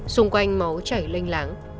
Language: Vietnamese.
xung quanh máu chảy lênh láng